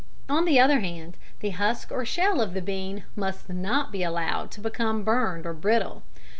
On the other hand, the husk or shell of the bean must not be allowed to become burned or brittle.